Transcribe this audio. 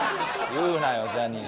言うなよジャニーズ。